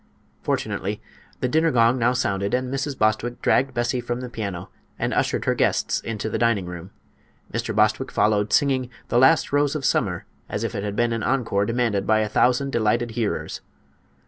Fortunately the dinner gong now sounded, and Mrs. Bostwick dragged Bessie from the piano and ushered her guests into the dining room. Mr. Bostwick followed, singing "The Last Rose of Summer" as if it had been an encore demanded by a thousand delighted hearers.